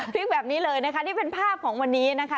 พลิกแบบนี้เลยนะคะนี่เป็นภาพของวันนี้นะคะ